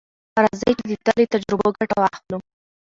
راځئ چې د ده له تجربو ګټه واخلو.